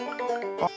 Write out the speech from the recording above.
あっ。